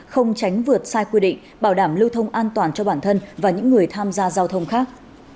không tránh vượt sai quy định bảo đảm lưu thông an toàn cho bản thân và những người tham gia giao thông khác